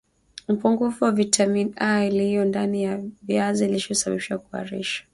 upungufu wa vitamini A iliyo ndani ya viazi lishe husababisha kuharisha